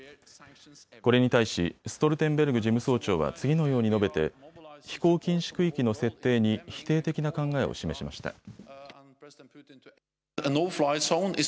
これに対し、ストルテンベルグ事務総長は次のように述べて飛行禁止区域の設定に否定的な考えを示しました。